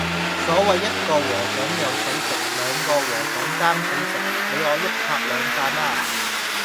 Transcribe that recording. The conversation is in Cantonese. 所謂一個和尚有水食，兩個和尚爭水食，你我一拍兩散啦